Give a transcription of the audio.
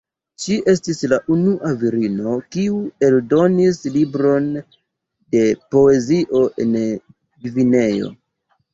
Ŝi estis la unua virino kiu eldonis libron de poezio en Gvineo.